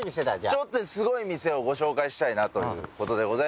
ちょっとすごい店をご紹介したいなということでございます。